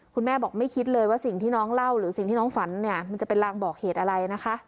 คุณแม่บอกไม่คิดเลยว่าสิ่งที่น้องเล่าหรือสิ่งที่น้องฝันเนี่ยมันจะเป็นรางบอกเหตุอะไรนะคะ